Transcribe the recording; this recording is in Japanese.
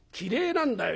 なんだよ。